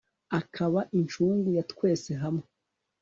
akaba incungu ya twese hamwe